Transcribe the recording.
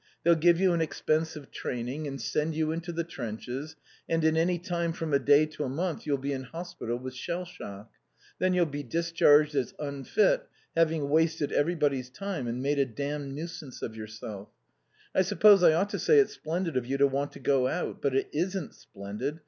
"They'll give you an expensive training, and send you into the trenches, and in any time from a day to a month you'll be in hospital with shell shock. Then you'll be discharged as unfit, having wasted everybody's time and made a damned nuisance of yourself....I suppose I ought to say it's splendid of you to want to go out. But it isn't splendid.